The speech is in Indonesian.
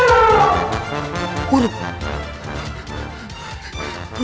oh kalian mau mati